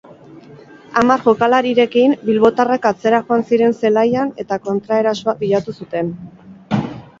Hamar jokalarirekin, bilbotarrak atzera joan ziren zelaian eta kontraerasoa bilatu zuten.